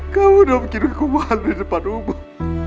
kamu memang kira aku malu di depan umum